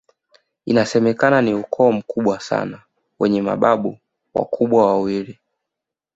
Inasemekana ni ukoo mkubwa sana wenye mababu wakubwa wawili